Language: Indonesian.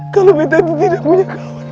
kalau betta itu tidak punya kawan